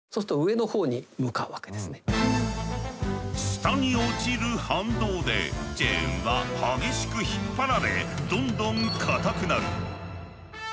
下に落ちる反動でチェーンは激しく引っ張られどんどん硬くなる。